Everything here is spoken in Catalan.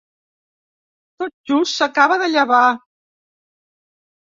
Tot just s'acaba de llevar.